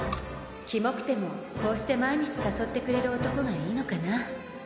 きもくてもこうして毎日誘ってくれる男がいいのかな